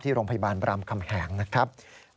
ที่โรงพยาบาลบรรมคำแข็งนะครับ